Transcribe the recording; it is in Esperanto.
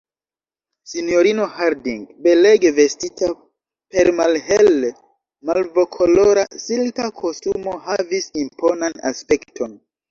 Sinjorino Harding, belege vestita per malhele malvokolora, silka kostumo, havis imponan aspekton.